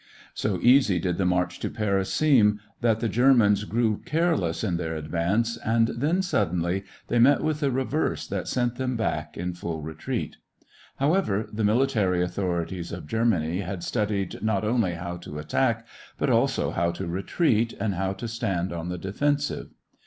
So easy did the march to Paris seem, that the Germans grew careless in their advance and then suddenly they met with a reverse that sent them back in full retreat. However, the military authorities of Germany had studied not only how to attack but also how to retreat and how to stand on the defensive.